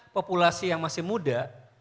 populasi yang masih muda